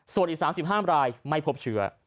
ส่วนอีก๓๕รายไม่พบเชื้อ